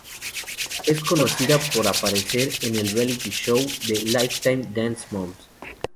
Es conocida por aparecer en el "reality show" de Lifetime, "Dance Moms".